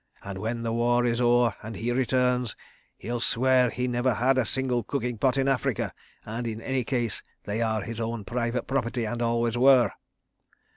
... And when the war is o'er and he returns, he'll swear he never had a single cooking pot in Africa, and in any case they are his own private property, and always were.